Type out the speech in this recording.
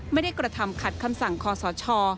ไม่ได้กระทำขัดคำสั่งคอสช